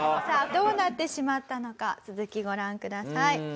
さあどうなってしまったのか続きご覧ください。